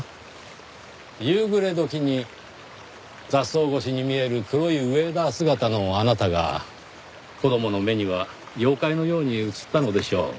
夕暮れ時に雑草越しに見える黒いウェーダー姿のあなたが子供の目には妖怪のように映ったのでしょう。